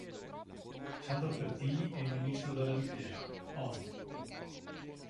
Sandro Pertini e il Ministro della Difesa, On.